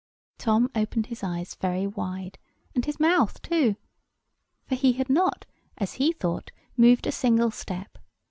Tom opened his eyes very wide, and his mouth too; for he had not, as he thought, moved a single step.